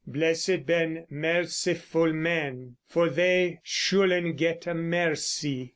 Blessid ben merciful men, for thei schulen gete merci.